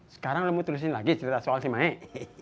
sekarang lo mau tulisin lagi cerita soal si maik